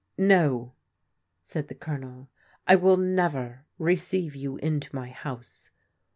1 " No," said the Colonel, " I will never receive you into my house."